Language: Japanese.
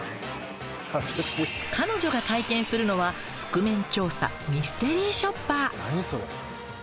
彼女が体験するのは覆面調査ミステリーショッパー。